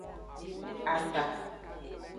Agba.